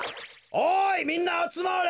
おいみんなあつまれ！